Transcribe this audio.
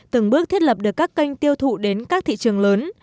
từng bước thiết lập được các kênh tiêu thụ đến các thị trường lớn